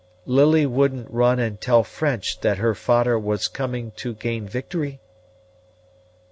Lily wouldn't run and tell French that her fader was coming to gain victory?"